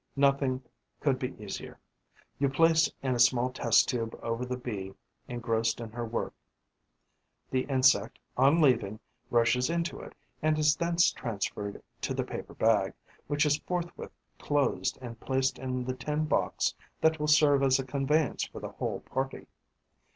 Nothing could be easier. You place a small test tube over the Bee engrossed in her work; the insect, on leaving, rushes into it and is thence transferred to the paper bag, which is forthwith closed and placed in the tin box that will serve as a conveyance for the whole party.